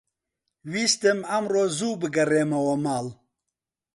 ویستم ئەمڕۆ زوو بگەڕێمەوە ماڵ.